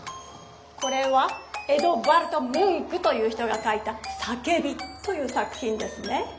これはエドヴァルド・ムンクという人がかいた「叫び」という作ひんですね。